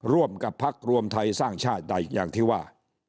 ร่วมกับพักรวมไทยสร้างชาติได้อย่างที่ว่า